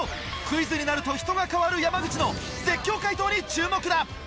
クイズになると人が変わる山口の絶叫解答に注目だ！